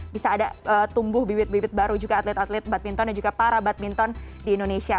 bisa ada tumbuh bibit bibit baru juga atlet atlet badminton dan juga para badminton di indonesia